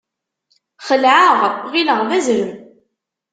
Xelɛeɣ, ɣilleɣ d azrem.